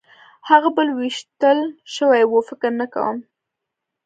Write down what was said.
هغه بل وېشتل شوی و؟ فکر نه کوم.